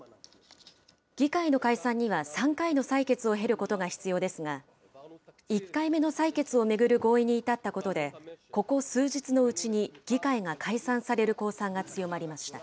議会の解散には、３回の採決を経ることが必要ですが、１回目の採決を巡る合意に至ったことで、ここ数日のうちに議会が解散される公算が強まりました。